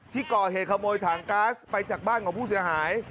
ที่ก่อเหตุขโมยถังก๊าซไปจากบ้านของผู้เสียหาย